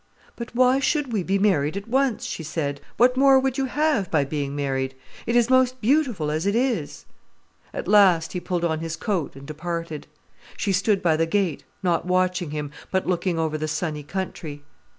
"But why should we be married at once?" she said. "What more would you have, by being married? It is most beautiful as it is." At last he pulled on his coat and departed. She stood at the gate, not watching him, but looking over the sunny country.